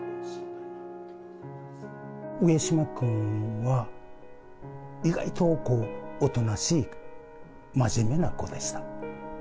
上島君は、意外とこう、おとなしい、真面目な子でした。